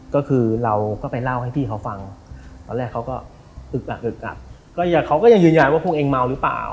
ก็คือเราก็ไปเล่าให้พี่เขาฟังตอนแรกเขาก็อึกอักอึกกักก็ยังเขาก็ยังยืนยันว่าพวกเองเมาหรือเปล่า